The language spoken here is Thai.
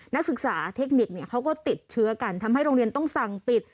นักศึกษาเทคนิคเขาก็ติดเชื้อกันทำให้โรงเรียนต้องสั่งปิด